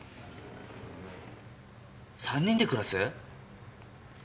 ３人で暮らす？